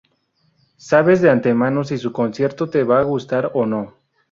sabes de antemano si su concierto te va a gustar o no